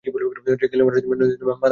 রেগে গেলে মানুষের মাথার ঠিক থাকে না।